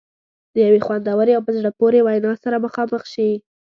د یوې خوندورې او په زړه پورې وینا سره مخامخ شي.